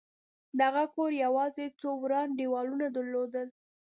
د هغه کور یوازې څو وران دېوالونه درلودل